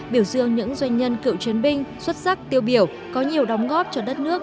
biểu dương những doanh nhân cựu chiến binh xuất sắc tiêu biểu có nhiều đóng góp cho đất nước